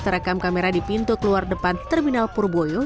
terekam kamera di pintu keluar depan terminal purboyo